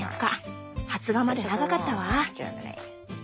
発芽まで長かったわ。